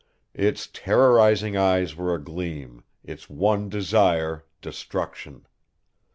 Its terrorizing eyes were agleam, its one desire destruction.